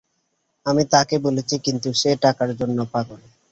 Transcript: আমি তাকে বলেছি, কিন্তু সে টাকার জন্য পাগল।